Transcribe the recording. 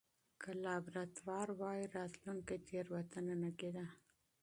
که لابراتوار واي، راتلونکې تېروتنه نه کېده.